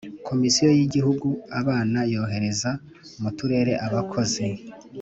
Komisiyo y’Igihugu abana yohereza mu Turere abakozi